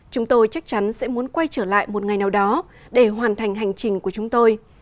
chúng tôi chắc chắn sẽ muốn quay trở lại một ngày nào đó để hoàn thành hành trình của chúng tôi